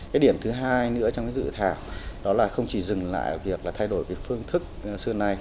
cái điểm thứ hai nữa trong cái dự thảo đó là không chỉ dừng lại việc là thay đổi cái phương thức xưa này